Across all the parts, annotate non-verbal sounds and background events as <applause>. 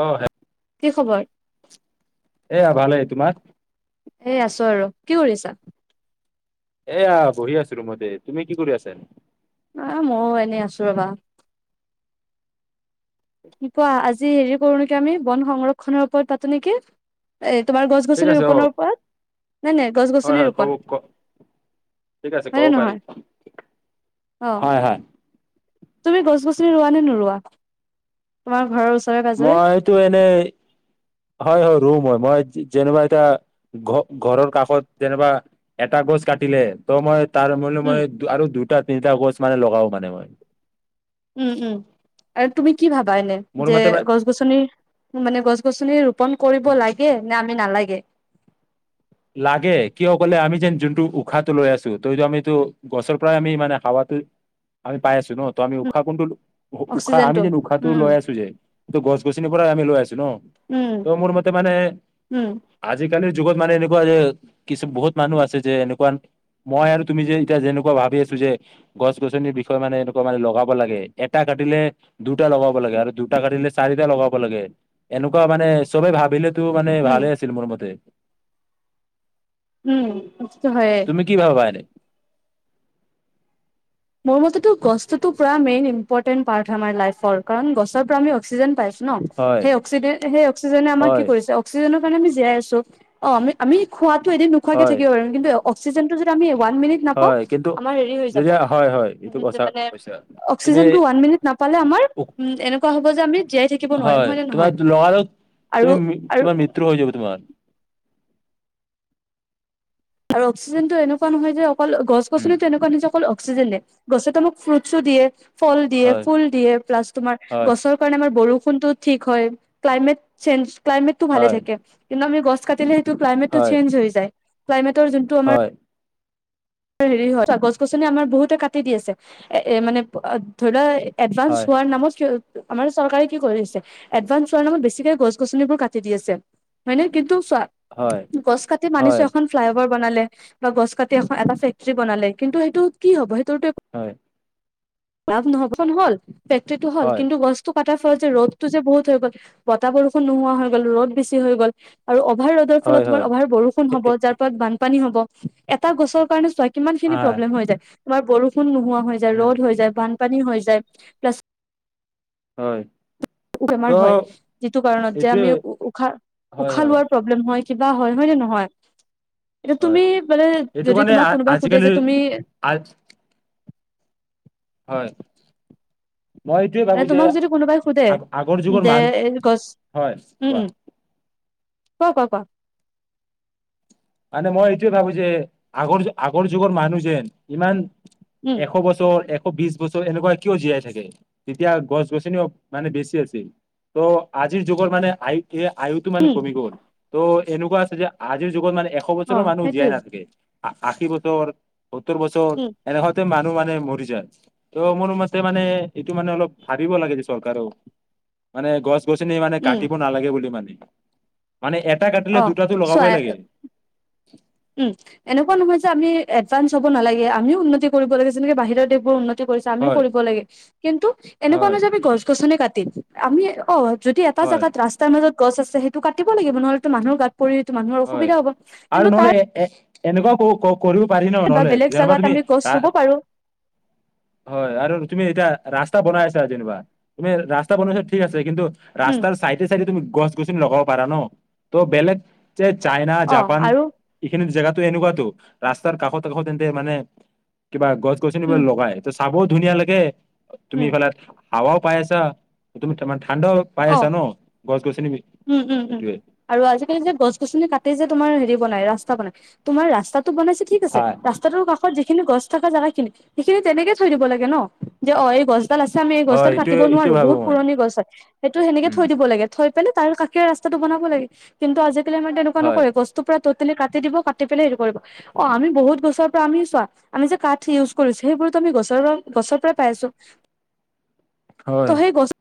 অ হে কি খবৰ? এয়া ভালেই তোমাৰ এ আছো আৰু। কি কৰিছা? এয়া বহি আছো ৰুমতে। তুমি কি কৰি আছা? অ ময়ো এনেই আছো ৰবা। কোৱা আজি হেৰি কৰো নেকি আমি বন সংৰক্ষনৰৰ ওপৰত পাতো নেকি? এই তোমাৰ গছ ঠিক গছনি আছে অ ৰোপনৰৰ ওপৰত? নাই নাই গছ হয় গছনি হয় কব ৰোপন। ক ঠিক আছে হয় ক'ব নে পাৰি নহয়? অ। হয় হয় তুমি গছ গছনি ৰোৱা নে নৰুৱা তোমাৰ ঘৰৰ ওচ? মইতো এনেই হয় হয় ৰুম হয় মই যেনিবা এতিয়া ঘ ঘৰৰ কাষত যেনিবা এটা গছ কাটিলে ত মই- তাৰ মান উম, মই আৰু দুটা তিনিটা গছ মানে লগাও মানে মই উম উম আৰু তুমি কি ভাবা। পাইনে মোৰ যে মতে গছ গছনি মানে গছ গছনি ৰোপন কৰিব লাগে নে আমি নালাগে। লাগে কিয় কলে আমি যেন যোনটো উশাহটো লৈ আছো ত হেটো আমিতো গছৰ পৰাই আমি হাৱাতো আমি পাই আছো নহঁ ত আমি উম, উশাহ কোনটো উ উশাহ আমি অক্সিজেনটো যেন উশাহটো উম, লৈ আছো যে ত গছ গছনি আমি লৈছো উম, ত মোৰ মতে মানে উম, আজিকালি জগত মানে এনেকুৱা যে কিছু বহুত মানুহ আছে যে এনেকুৱা মই আৰু তুমি যে এতিয়া যেনেকুৱা ভাবি আছো যে গছ গছনিৰ বিষয়ে মানে এনেকুৱা মানে লগাব লাগে এটা কাটিলে দুটা লগাব লাগে আৰু দুটা কাটিলে চাৰিটা লগাব লাগে এনেকুৱা মানে চবে ভাবিলে টো মানে উম, ভালে আছিল মোৰ মতে- উম। সেইটো হয়ে। তুমি কি ভাবা এনেই মোৰ মতেতো গছতো পুৰা মেইন ইম্পৰ্টেণ্ট পাৰ্ট হয় আমাৰ লাইফৰ কাৰণ গছৰ পৰা আমি অক্সিজেন পাইছোঁ। ন হয় সেই অক্সি সেই অক্সিজেনে আমাৰ কি হয় কৰিছে অক্সিজেন সেইকাৰণে আমি জীয়াই আছোঁ অহঁ আমি আমি খোৱাত এদিন নোখোৱাকে হয় থাকিব পাৰু কিন্তু অক্সিজেনটো যদি আমি ওৱান মিনিট নাপাওঁ হয় কিন্তু আমাৰ হেৰি হৈ যদি যাব। হয় হয় উ এইটো কথা মানে কৈছা তুমি অক্সিজেনটো ওৱান মিনিট নাপালে আমাৰ উ এনেকুৱা হব যে আমি জীয়াই থাকিব নোৱাৰিম হয় নে তোমাৰ নহয় লগালগ তুমি আৰু মি- তোমাৰ আৰু মৃত্যু হৈ যাব তোমাৰ আৰু অক্সিজেনটো এনেকুৱা নহয় যে অকল গছ উম গছনি তেনেকুৱা নিজে অকল অক্সিজেন দিয়ে, গছে তো মোক ফ্ৰুটছো দিয়ে। ফল দিয়ে হয় ফুল দিয়ে প্লাছ তোমাৰ হয় গছৰ কাৰণে আমাৰ বৰষুণ কোনটো ঠিক হয় ক্লাইমেট চেঞ্জ ক্লাইমেটতো ভালে হয় থাকে কিন্তু আমি গছ কাটিলে টো ক্লাইমেটতো হয় চেঞ্জ হৈ যায় <unintelligible> তহঁ, যোনটো আমাৰ হয় হেৰি হয় গছ গছনি আমাৰ বহুতে কাটি দি আছে এ এ মানে ধৰি লোৱা এডভান্স হয় হোৱাৰ নামত আমাৰ চৰকাৰে কি কৰিছে, এডভান্স চোৱাৰ নামত বেছিকে গছ-গছনিবোৰ কাটি দি আছে, হয় নে কিন্তু? চোৱা, হয় গছ কাটি মানিছো হয় এখন ফ্লাইভাৰ বনালে বা গছ কাটি এটা ফেক্টৰী বনালে কিন্তু সেইটো কি হ'ব সেই হয় <unintelligible> লাভ নহব, কচোন হ'ল। ফেক্টৰিটো হল হয় কিন্তু গছটো তাৰফলত যে ৰ'দটো যে বহুত হৈ গ'ল, বতাহ বৰষুণ নোহোৱা হৈ গ'ল ৰ'দ বছি হৈ গ'ল আৰু অ অভাৰ ৰ'দৰ ফলত তোমাৰ হয় হয় অভাৰ বৰষুণ হ'ব, যাৰ পৰা বান পানী হ'ব, এটা গছৰ কাৰণ চ কিমান খিনি হয় প্ৰব্লেম হৈ যায়। আমাৰ বৰষুণ নোহোৱা হৈ যায়, উম ৰ'দ হৈ যায়, বানপানী হৈ যায়। প্লাছ হয়। ত বেমাৰ হয় যিটো কাৰণত যে আমি এইটোৱে উশাহ, হয় উশাহ হয় লোৱাৰ প্ৰব্লেম হয়। কিবা হয়, হয় নে নহয়? এতিয়া হয় তুমি বোলে এইটো যদি কাৰণে তোমাক আ- কোনোবাই সোধে আজিকালি যে তুমি আজ হয়। মই এইটোয়ে ভাবো যে তোমাক যদি কোনোবাই সোধে, আগ আগৰ যুগৰ যে মানুহ গছ হয় উম। কোৱা ক ক বা? মানে মই এইটোয়ে ভাবো যে, আগৰ আগৰ যুগৰ মানুহ যেন ইমান উম এশ বছৰ এশ বিশ বছৰ এনেকুৱা কিয় জীয়াই থাকে, তেতিয়া গছ-গছনিও মানে বেছি আছিল, ত' আজিৰ যুগত মানে আই এ আয়ুটো মানে উম কমি গ'ল, তো এনেকুৱা আছে যে আজিৰ যুগত মানে এশ অ বছৰৰ মানুহ জীয়াই সেইটোৱে নাথাকে। আশি বছৰ সত্তৰ বছৰ, উম এনেকুৱাতে ম নুহ মানে মৰি যায়, ত মোৰ মতে মানে এইটো মানে অলপ ভাবিব লাহে যে চৰকাৰক, মানে গছ গছনি মানে উম কাটিব নালাগে বুলি মানে মানে এটা অ কাটিলে দুটাতো চোৱা লগাবই লাগে। <inaudible> উম এনেকুৱা নহয় যে। আমি এডভান্স হ'ব নালাগে আমিও উন্নতি কৰিব লাগে যেনেকে বাহিৰৰ দেশবোৰ উন্নত, উন্নতি কৰিছে আমিও হয় কৰিব লাগে কিন্তু এনেকুৱা হয় নহয় যে আমি গছ গছনি কাটি - আমি অ- যদি এটা হয় জাগাত ৰাস্তাৰ মাজত। গছ আছে সেইটো কাটিব লাগিব নহ'লেতো মানুহ গাত- পৰি তো মানুহৰ হয় অসুবিধা হ'ব আৰু কিন্তু নহ'লে তাৰ। এ এ এনেকুৱা কও কও কৰিব পাৰি ন বা নহ'লে বেলেগ ইয়াৰ পা জাগাত তুমি আমি গছ ৰা ৰুব পাৰো হয় আৰু - তুমি এতিয়া ৰাস্তা বনাই আছা যেনিবা তুমি ৰাস্তা বনাইছা ঠিক আছে কিন্তু- উম ৰাস্তাৰ চাইডে চাইডে তুমি গছ- তুমিচোন লগাব পাৰা ন ত' বেলেগ- যে চাইনা, অ জাপান আৰু এইখিনি জেগাত- টো এনেকুৱাতো ৰাস্তাৰ কাষত কাষত তেন্তে মানে- কিবা গছ গছনি উম বুলে লগাই। চাবও ধুনীয়া লাগে। তুমি উম এইফালে। হাৱাও পাই আছা তুমি তম- অ উম উম উম এইটোৱে আৰু আজিকালি যে গছ গছনি কাটি- তাতে যে তোমাৰ হেৰি বনাই ৰাস্তা বনাই তোমাৰ ৰাস্তাত, বনাইছে ঠিক আছে হয় ৰাস্তাটো কাষত- সেই খিনি গছ থকা জাগা খিনি সেইখিনি তেনেকে থৈ দিব লাগে ন যে অ এই গছ - ডাল আছে আমি এই হয় গছডাল এইটোৱে কাটিব এইটোৱে নোৱাৰোঁ ভাবো বহুত মই পুৰণি গছ হয়। ত সেনেকে উম থৈ দিব লাগে। থৈ পেলাই তাৰ কাষে ৰাস্তাটো বনাব লাগে কিন্তু আজি। এইফালে আমাৰ তেনেকুৱা হয় নকৰে গছটো পৰা। টোটেলি কাটি দিব কাটি পেলাই হেৰি কৰিব অ আমি বহুত গছৰ পৰা আমি চোৱা আমি যে কাঠ ইউজ কৰিছোঁ। সেইবোৰতো আমি গছ গছৰ পৰাই পাই আছোঁ। হয়, তহে গছ-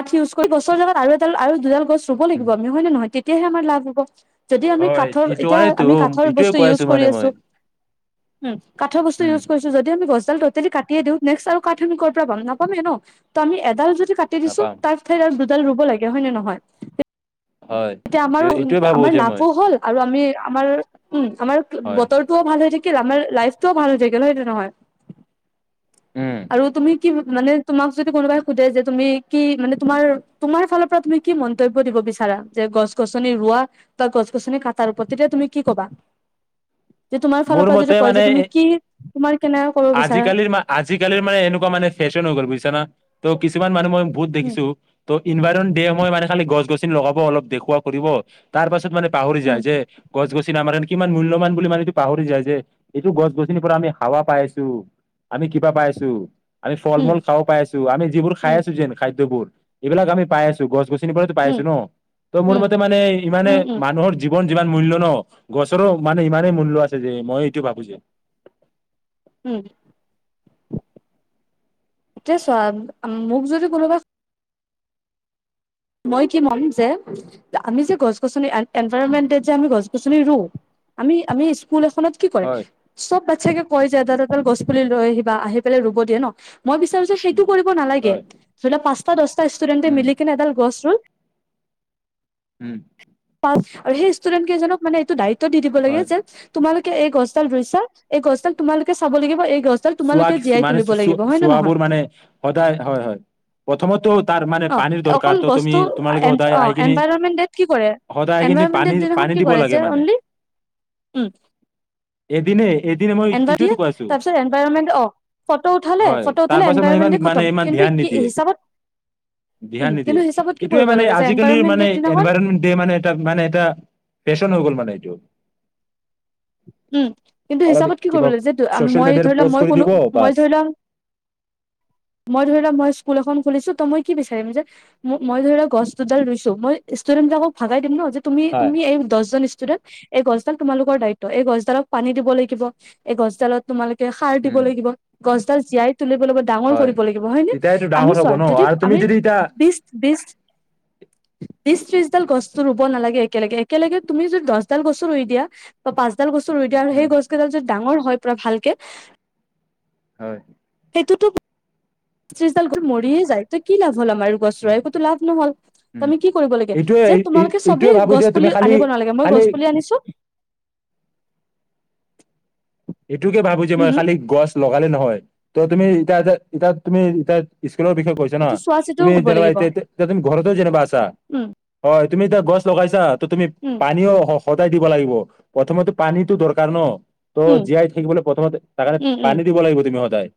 কাঠ ইউজ কৰি গছৰ লগত আৰু এডাল আৰু দুডাল গছ, থব উম, লাগিব আমি হয় নহয় তে- তেতিয়াহে আমাৰ লাভ হ'ব। যদি আমি হয় কাঠৰ এইটো এতিয়া কাৰণেতো আমি কাঠৰ এইটোয়ে বস্তু কৈ ইউজ আছো কৰি মানে মই। আছোঁ। উম। কাঠৰ বস্তু উম, ইউজছ কৰিছোঁ যদি আমি গছ- টতেলি কাটিয়ে দিও নেষ্ট আৰু কাঠ আমি ক'ৰ পৰা পাম নাপামে ন'-ত' আমি এডাল য কাটি দিছো। নাপাম <unintelligible> দুডাল ৰুব লাগে হয় নে নহয়? হয় তেতিয়া এইটো আমাৰো এইটোয়ে ভাবো আমাৰ যে লাভ মই চাব হ'ল আৰু আমি আমাৰ উম, আমাৰ হয়, বতৰ টোও ভাল হৈ থাকে। আমাৰ লাইফ টোও ভাল হৈ থাকে ন ' সেইটো নহয়? উম। আৰু তুমি কি মানে তোমাক যদি কোনোবাই সোধে যে তুমি কি মানে তোমাৰ -তোমাৰ ফালৰ পৰা তুমি কি মন্তব্য দিব বিচাৰা যে গছ -গছনি ৰোৱা বা গছ -গছনি কাটাৰ ওপৰত তেতিয়া তুমি কি কবা? যে তোমাৰ ফালৰ মোৰ পৰা যিটো মতে কয় যে তুমি মানে কি তোমাৰ কেনেকে ক'ব বিচাৰা আজিকালিৰ মা -আজিকালিৰ মানে এনেকুৱা মানে ফেশ্বন হৈ গ'ল বুজিছা না। ত' কিছুমান মানুহ মই বহুত উম দেখিছো ত' ইনভাইৰন দিয়ে মই মানে খালি গছ- গছনি লগাব অলপ দেখুৱা কৰিব তাৰ পাছত মানে পাহৰি যায় উম যে গছ- গছ <unintelligible> আমাৰ কাৰণে কিমান মূল্যৱান বুলি মানে এইটো পাহৰি যায় যে এইটো গছ -গছনিৰ পৰা আমি হাৱা পাই আছ <unintelligible> আমি কিবা পাই আছোঁ। আমি ফল- উম মূল খাব পাই আছো আমি যিবোৰ খাই উম আছো যেনে খাদ্যবোৰ এইবিলাক আমি পাই আছো গছ- গছনি গছ- গছনিৰ পৰাইতো পাই উম আছো ন' ত'মোৰ উম মতে মানে ইমানে উম উম মানুহৰ জীৱন যিমান মূল্য ন'গছৰো মানে ইমানেই মূল্য আছে যে মই এইটো ভাবো যে। উম এতিয়া চোৱা মোক যদি কোনোবা মই কি মম যে, আমি যে গছ -গছনি আন উম, এনভাৰমেণ্টত যে আমি গছ গছনি ৰুওঁ আমি - আমি স্কুল এখনত কি কৰে হয় চব চাগে কয় যে এডাল - এডাল গছ পুলি লৈ আহিবা আহি পেলাই ৰুব দিয়ে ন' মই বিচাৰো যে উম, সেইটো কৰিব নালাগে হয়, ধৰি লোৱা পাচ ত' দচ তা ষ্টুদেণ্টে উম, মিলিকনে এডাল <unintelligible> উম আৰু সেই ষ্টুেদেন্ত কেইজনক মানে এইটো দায়িত টো দি দিব লাগে হয়। যে তোমালোক এই গছডাল ৰুইছা এই গছডাল তোমালোকে চাব লাগিব এই গছডাল চোৱা তোমালোকে জীয়াই কিছুমানে তুলিব চু চু লাগিব হয় নে নহয় চুৱাবোৰ মানে সদায় হয় হয় প্ৰথমত তো <unintelligible> অ অকল বস্তু আ এনছ সদায় অ আহি এনছ কিনি এনভাইৰনমেন্ট ডেট কি কৰে সদায় আহি কিনি পানী এনভাইৰনমেন্ট দিনাখন পানী কি দিব কৰে লাগে যে মানে অন লি উ <unintelligible> এদিনে এদিনে মই এনভাদিয়া এইটোয়েতো কৈ আছো তাৰপিছত এনভাইৰমে হয় তাৰ পাছত মানে ইমান এনভাইৰনমেন্টে মানে খতম ইমান কিন্তু ধ্যান কি নিদিয়ে হিচাপত উম ধ্যান নিদিয়ে কিন্তু হিচাপত কি এইটোয়ে কৰিব মানে লাগে যে আজিকালিৰ এনভাইৰনমেন্ট মানে দিনাখন এনভাইৰনমেন্ট ডে মানে এ মানে এটা ফেশ্বন হৈ গ'ল মানে <unintelligible> <inaudible> উম কিন্তু অলপ হিচাপত কি কৰিব কিবা লাগে যে আ চচিয়েল মই মিডিয়াত ধৰি ল প'ষ্ট মই <unintelligible> কৰি কোনো দিব বাছ মই ধৰি ল মই ধৰি লোৱা মই স্কুল এখন খুলিছো ত মই কি বিচাৰিম যে মোক মই ধৰি ল গছ দুডাল ৰুইছো মই ষ্টুডেন্টবিলাকক ভাগাই দিম ন যে <unintelligible> তুমি হয় তুমি এই দছজন ষ্টূডেণ্ট এই গছডাল তোমালোকৰ দায়িত্ব এই গছডালক পানী দিব লাগিব এই গছডালত তোমালোক <unintelligible> কে সাৰ দিব উম লাগিব গছডাল জীয়াই তোলিব লব দা হয়। কৰিব লাগিব হয় নে তেতিয়াইতো আমি ডাঙৰ হ'ব চোৱা ন যদি আৰু তুমি আমি যদি এতিয়া বিছ বিছ বিশ ত্ৰিশডাল গছতো ৰুব নালাগে একেলগে একেলগে তুমি যদি দহ ডাল গছো ৰুই দিয়া বা পাঁচ ডাল গছ ৰুই দিয়া সেই গছকেইডাল যদি ডাঙৰ হয় পোৰা ভালকে হয় এইটোতো <unintelligible> বিছ ত্ৰিছ ডালকৈ মৰিয়ে যাই তই কি লাভ হ'ল আমাৰ গছ ৰুৱা একোতো লাভ নহল উম। তুমি কি কৰিব লাগে এইটোৱে যে তোমালোকে এইটোৱে চবেই ভাবো গছ যে তুমি পুলি খালি আনিব নালাগে মই খালি গছ পুলি আনিছো <unintelligible> এইটোকে ভাবো যে উম মই হম খালি গছ ল হয় নে নহয় ত তুমি এতিয়া যে তাত তুমি এ <unintelligible> <unintelligible> বিষয় কৈছে ন সেইটো চোৱা চিতাও তুমি কৰিব যেনকা লাগিব এতিয়া তে এতিয়া তুমি ঘৰত <unintelligible> টো জেনেবা আছে চা উম হয় তুমি এটা গছ লগাইছা ত তুমি উম পানীও স দাই দিব লাগিব প্ৰথমে পানীতো দৰকাৰ ন ত' উম জীয়াই থাকিবলৈ প্ৰথমতে তাকাণে উম উম পানী দিব লাগিব <unintelligible> মই সদায়।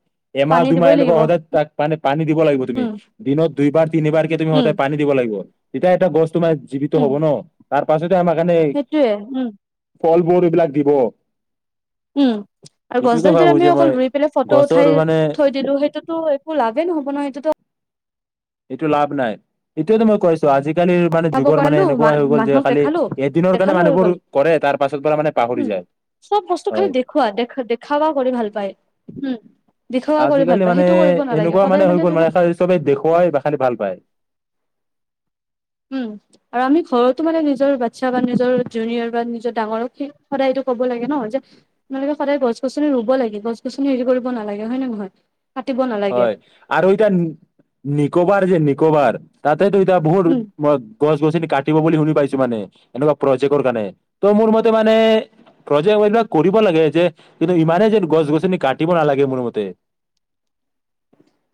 এমাহ পানী দুমাহ দিবই এনেকুৱা লাগিব সদায় তাক মানে পানী দিব লাগিব তুমি উম দিনত দুইবাৰ তিনিবাৰ কে তুমি উম সদায় পানী দিব লাগিব। এতিয়া এটা গছ তোমাৰ জীৱিত উম হ'ব ন তাৰ পাছতে আমাৰ কাৰণে। সেইটোয়ে উম ফলবোৰ এইবিলাক দিব। উম আৰু এইটোকে গছডাল যদি ভাবো যে আমি মই অকল ৰুই পেলাই ফটো গছৰ উঠাই মানে থৈ দিলো সেইটোতো একো লাভেই নহ'ব নহয় সেইটোতো। এইটো লাভ নাই এইটোয়ো মই কৈছো আজিকালি। আজিকালিৰ মানে খাব যুগৰ মানে কৰালো এনেকুৱা হৈ গল যে মানুহক খালি দেখালো এদিনৰ কাৰণে দেখালো হৈ মানুহবোৰ গ'ল কৰে তাৰ পাছৰ পৰা মানে পাহৰি যায় হয়। দেখুৱা কৰি ভাল পায় হম। আজিকালি মানে এনেকুৱা মানে হৈ গ'ল ধৰি লওক মানে চ চবে দেখুৱাই বা খালি ভাল পায়। উম আৰু আমি ঘৰতো মানে নিজৰ বাচ্ছা বা নিজৰ জুনিয়ৰ বা নিজৰ ডাঙৰক সদায়টো কব লাগে ন তোমালোকে সদায় গছ গছনি ৰুব লাগে গছ গছনি হেৰি কৰিব নালাগে হয় নে নহয়? কাটিব নালাগে হয় আৰু ঐটা নিকোবাৰ যে নিকোবাৰ। তইটো এতিয়া বহুত উম, গছ গছ ক। কাটিব বুলি শুনি পাইছো মানে এনেকুৱা প্ৰজেক্টৰ কাৰণে ত' মোৰ মতে মানে প্ৰজেক্ট এইবিলাক কৰিব লাগে যে কিন্তু ইমানো যে গছ গছনি কাটিব নালাগে মোৰ মতে।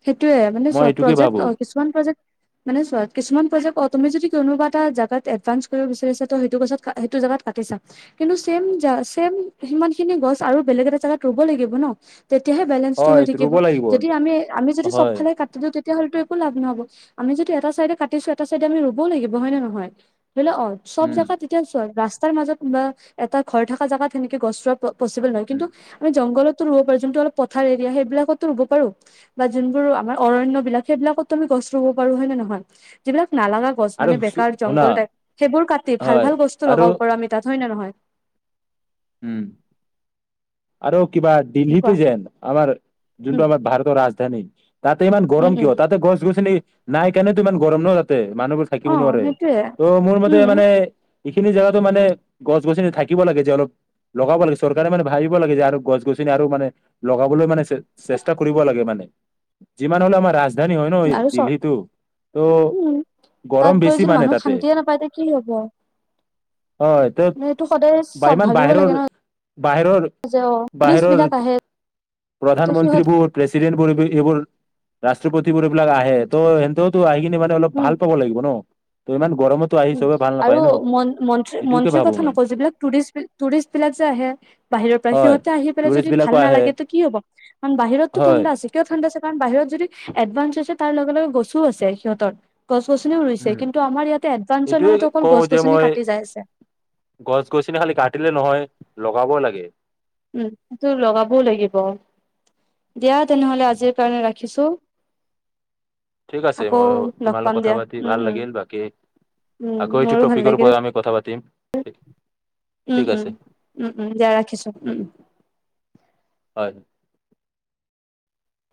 সেইটোয়ে মানে মই চব এইটোকে প্ৰজেক্ট ভাবো অ কিছুমান প্ৰজেক্ট মানে চ কিছুমান প্ৰজেক্ট অ তুমি যদি কোনোবা। এটা জাগাত এডভানস কৰিব বিচাৰিছো ত সেইটো গছত সেইটো জাগাত কাটিছা কিন্তু ছেম চছেম সিমান খিনি গছ আৰু বেলেগ এটা জাগাত ৰুব লাগিব ন। তেতিয়াহে বেলেঞ্চটো হয় হৈ থাকিব ৰুব লাগিব যদি আমি। আমি যদি চব হয় ফালে কাটি দিওঁ তেতিয়াহলেতো একো লাভ নহ'ব আমি যদি এটা চাইডে কাটিছো এটা চাইডে আমি ৰুবও লাগিব হয় নে নহয়। বুলে অ চব উম জেগাত তেতিয়া ছয়। তাৰ মাজত কিবা এটা ঘৰ থকা জেগাত সেনেকে গছ পুলি। পচিবল নহয় উম কিন্তু আমি জংগল। ৰুব পাৰো যোনটো অলপ পথাৰ এৰিয়া সেইবিলাকতো ৰুব পাৰো। বা যোনবোৰ আমাৰ অৰণণ্য বিলাক সেইবিলাকতো আমি গছ ৰুব পাৰো হয় নে নে নহয় যিবিলাক। নালাগা গছ আৰু মানে বেকাৰ শুনা জংঘল টাইপ সেইবোৰ কাটি ভাল হয় ভাল গছ্তটো আৰু লগাব পাৰ আমি তাত হয় নে নহয়। উম। আৰু। কিবা দিল্লীতে কোৱা যেন আমাৰ যোনটো উম আমাৰ ভাৰতৰ ৰাজধানী তাতে ইমান গৰম উম উম কিয় তাতে গছ গছনি। নাইকাৰনে তো ইমান গৰম ন তাতে। মানুহবোৰ থাকিব অ নোৱাৰে সেইটোয়ে ত' মোৰ মতে উম মানে। এইখিনি জেগাতো মানে গছ গছনি থাকিব লাগে যে অলপ লগাব লাগে চৰকাৰে মানে ভাবিব। লাগে আৰু গছ গছনি আৰু মানে লগাবলৈ মানে। চেষ্টা কৰিব লাগে মানে। যিমান হ'লো আমাৰ ৰাজ- ৰাজধানী হয় ন আৰু চ দিল্লীটো ত' উম তাত গৰম গৈ বেছি যদি মানে মানুহ তাতে। শান্তিয়ে নাপায় তে কি হব? হয় তে সেইটো সদায় বা ইমান ভাবিব বাহিৰৰ লাগে ন বাহিৰৰ- যে অ টুৰিষ্ট বাহিৰৰ বিলাক আহে ত সিহঁত প্ৰধানমন্ত্ৰীবোৰ প্ৰেচিডেণ্ট কৰি কৰি এইবোৰ- ৰাষ্ট্ৰপতিবোৰ এইবিলাক আহে ত' সেতও তো আহি- মানে অলপ উম ভাল পাব লাগিব ন। তো ইমান- গৰমতো আহি উম চবে ভাল নাপায় আৰু ন এইটোকে মন্ত্ৰী-মন্ত্ৰীৰ ভাবো কথা মই নকওঁ। যিবিলাক টুৰিষ্ট টুৰিষ্ট বিলাক যে আহে বাহিৰৰ- হয়। সিহতে আহি পেলাই টুৰিষ্ট যদি ভাল বিলাকো আহে নালাগে টো কি হ'ব। কাৰণ বাহিৰতটো হয়। ঠাণ্ডা আছে কিয় ঠাণ্ডা- কাৰণ বাহিৰত যদি এডভানস আছে তাৰ লগে লগে গছোও আছে সিহঁতৰ- গছ গছনিও ৰুইছে উম, কিন্তু আমাৰ ইয়াত এইটোয়ে কওঁ যে মই গছ-গছিনি খালি কাটিলে নহয় লগাব লাগে। উম তোৰ লগাবওঁ লাগিব। দিয়া তেনেহ'লে আজিৰ কাৰণে ৰাখি- ৰাখিছোঁ। ঠিক আছে মই তোমাৰ লগত কথা দিয়া পাতি উম ভাল উম লাগিল। বাকী উম আকৌ এইটো মোৰো ভাল টপিকৰ লাগিল ওপৰত আমি কথা পাতিম। ঠিক- উম ঠিক উম আছে উম উম দে ৰাখিছোঁ উম উম। হয়।